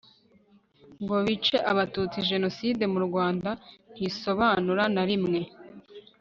ngo bice Abatutsi Jenoside mu Rwanda ntisobanura na rimwe